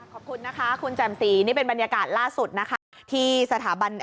ขอบคุณนะคะคุณแจ่มสีนี่เป็นบรรยากาศล่าสุดนะคะ